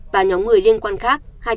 và nhóm người liên quan khác